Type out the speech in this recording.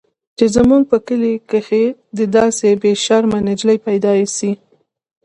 چې زموږ په کلي کښې دې داسې بې شرمه نجلۍ پيدا سي.